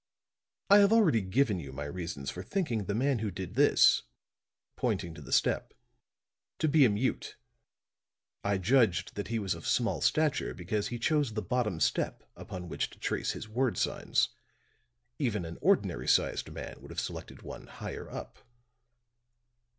I have already given you my reasons for thinking the man who did this," pointing to the step, "to be a mute. I judged that he was of small stature because he chose the bottom step upon which to trace his word signs. Even an ordinary sized man would have selected one higher up."